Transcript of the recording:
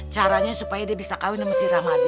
caranya supaya dia bisa kawin sama si rahmadi